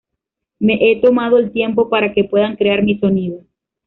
Me he tomado el tiempo para que pueda crear mi sonido.